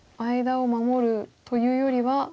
間を守るというよりは。